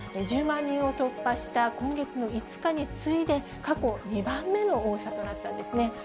１０万人を突破した今月の５日に次いで、過去２番目の多さとなったんですね。